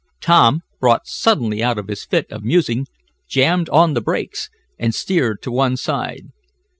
Tom, brought suddenly out of his fit of musing, jammed on the brakes, and steered to one side.